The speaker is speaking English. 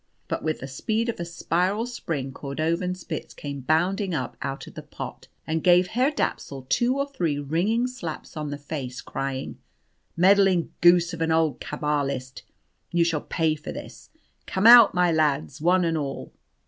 But with the speed of a spiral spring Cordovanspitz came bounding up out of the pot, and gave Herr Dapsul two or three ringing slaps on the face, crying "Meddling goose of an old Cabalist, you shall pay for this! Come out, my lads, one and all!"